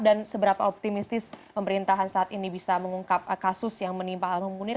dan seberapa optimistis pemerintahan saat ini bisa mengungkap kasus yang menimpa hal memunir